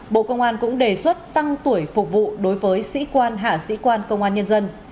bộ công an cũng đề xuất tăng tuổi phục vụ đối với sĩ quan hạ sĩ quan công an nhân dân